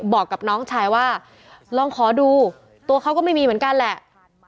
บอกกับน้องชายว่าลองขอดูตัวเขาก็ไม่มีเหมือนกันแหละ